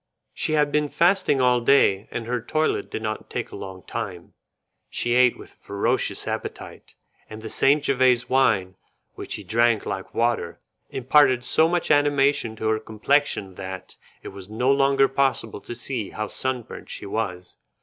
She had been fasting all day, and her toilet did not take a long time. She ate with a ferocious appetite, and the St. Jevese wine, which she drank like water, imparted so much animation to her complexion that it was no longer possible to see how sunburnt she was.